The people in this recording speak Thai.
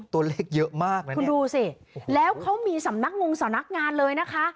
ตัวเลขเยอะมากเลยนะคุณดูสิแล้วเขามีสำนักงงสำนักงานเลยนะคะ